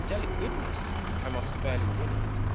Angelic goodness ! I must fairly win it.